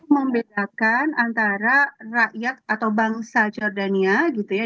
membedakan antara rakyat atau bangsa jordania gitu ya